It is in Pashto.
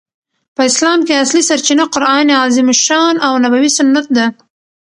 په اسلام کښي اصلي سرچینه قران عظیم الشان او نبوي سنت ده.